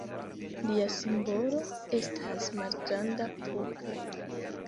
Lia simbolo estas malgranda pupo.